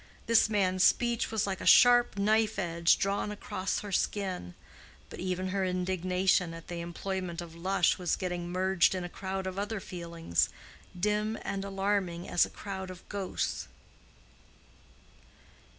This man's speech was like a sharp knife edge drawn across her skin: but even her indignation at the employment of Lush was getting merged in a crowd of other feelings, dim and alarming as a crowd of ghosts.